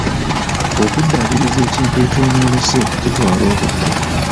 Okuddaabiriza ekintu ekyonoonese kitwala obudde.